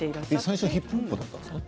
最初ヒップホップだったんですか？